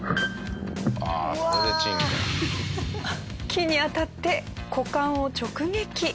木に当たって股間を直撃。